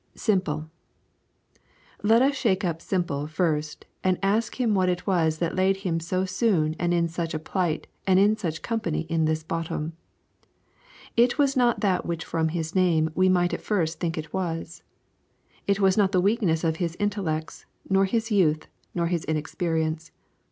SIMPLE Let us shake up Simple first and ask him what it was that laid him so soon and in such a plight and in such company in this bottom. It was not that which from his name we might at first think it was. It was not the weakness of his intellects, nor his youth, nor his inexperience.